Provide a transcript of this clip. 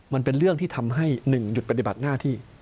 มันเป็นเรื่องที่ทำให้๑หยุดปฏิบัติหน้าที่